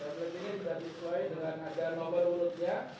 templatenya sudah disesuaikan dengan adanya nomor ulutnya